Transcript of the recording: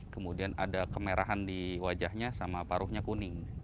kemudian ada kemerahan di wajahnya sama paruhnya kuning